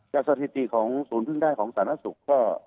จากสถิติของศูนย์พึ่งได้ของศาลนักศึกษ์ก็